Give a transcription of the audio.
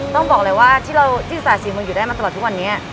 ต้องบอกเลยว่าอาวุธสตราดศรีมืออยู่ได้มาตลอดทุกวันนี้